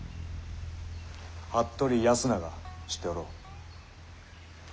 服部保長知っておろう？